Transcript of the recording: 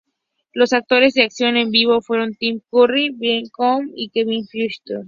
Los actores de acción en vivo fueron Tim Curry, Billy Connolly y Kevin Bishop.